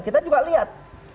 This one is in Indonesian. kita juga lihat